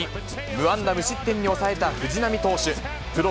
無安打無失点に抑えた藤浪投手、プロ